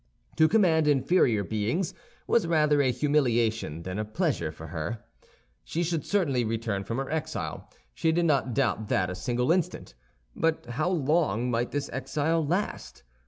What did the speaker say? To command inferior beings was rather a humiliation than a pleasure for her. She should certainly return from her exile—she did not doubt that a single instant; but how long might this exile last?